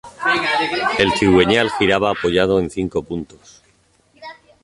El cigüeñal giraba apoyado en cinco puntos.